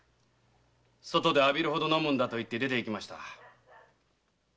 外で浴びるほど飲むんだと言って出ていきました。